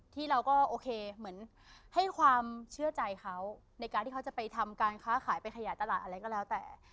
ที่เราก็โอเคเหมือนให้ความเชื่อใจเขาในการที่เขาจะไปทำการค้าขายไปขยายตลาดอะไรก็แล้วแต่